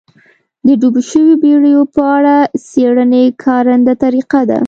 د ډوبو شویو بېړیو په اړه څېړنې کارنده طریقه ده